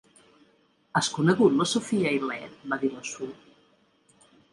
Has conegut la Sophia i l'Ed? va dir la Sue.